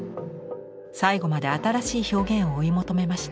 最後まで新しい表現を追い求めました。